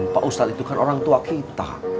pak ustadz itu kan orang tua kita